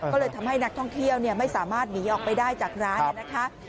ก็เลยทำให้นักท่องเที่ยวไม่สามารถหนีออกไปได้จากร้านนะคะ